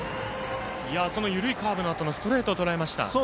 その緩いカーブのあとのストレートをとらえました。